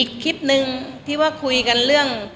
อีกคลิปนึงที่ว่าคุยกันเรื่อง